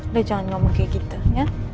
udah jangan ngomong kayak gitu ya